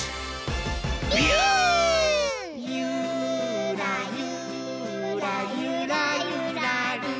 「ゆーらゆーらゆらゆらりー」